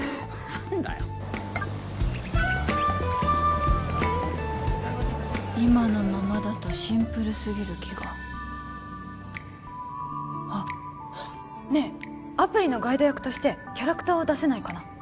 何だよっ今のままだとシンプルすぎる気があっねえアプリのガイド役としてキャラクターを出せないかな？